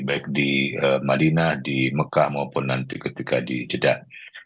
baik di madinah di mekah maupun nanti ketika di jeddah